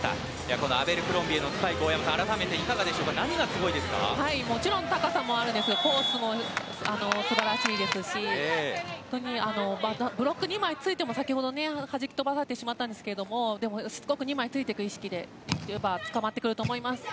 このアベルクロンビエのスパイク大山さん、改めてもちろん高さもありますがコースも素晴らしいですし本当にブロック２枚ついても先ほど、はじき飛ばされてしまったんですがでも、しつこく２枚ついていく意識を持っていけばつかまってくると思います。